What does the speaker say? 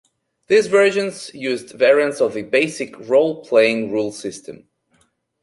These versions used variants of the Basic Role-Playing rule system.